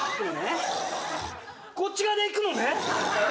こっち側でいくのね？